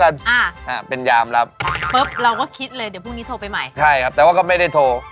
ใช่ครับแต่ว่าก็ไม่ได้โทร